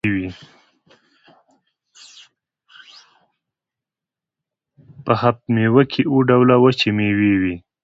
په هفت میوه کې اووه ډوله وچې میوې وي.